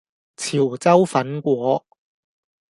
潮州粉果